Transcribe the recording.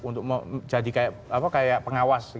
untuk menjadi pengawas